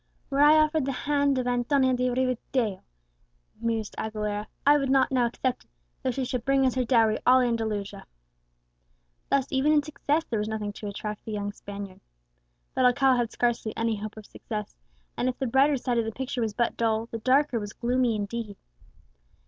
"Were I offered the hand of Antonia de Rivadeo," mused Aguilera, "I would not now accept it, though she should bring as her dowry all Andalusia!" Thus even in success there was nothing to attract the young Spaniard. But Alcala had scarcely any hope of success; and if the brighter side of the picture was but dull, the darker was gloomy indeed.